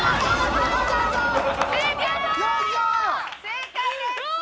正解です！